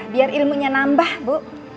biar ilmunya nambah bu